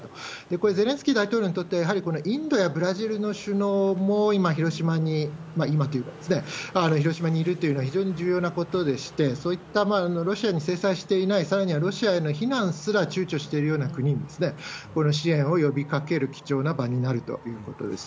これ、ゼレンスキー大統領にとっては、やはりこのインドやブラジルの首脳も今、広島に、今というかですね、広島にいるというのは非常に重要なことでして、そういったロシアに制裁していない、さらには、ロシアへの非難すらちゅうちょしているような国に、この支援を呼びかける貴重な場になるということです。